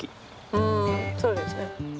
うんそうですね。